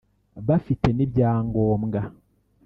bafite n’ibyangombwa